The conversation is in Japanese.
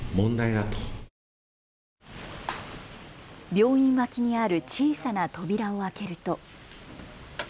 病院脇にある小さな扉を開けると。